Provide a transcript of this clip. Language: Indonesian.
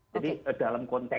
jadi dalam konteks itu